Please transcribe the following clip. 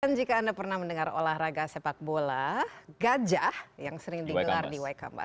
dan jika anda pernah mendengar olahraga sepak bola gajah yang sering digelar di waikambas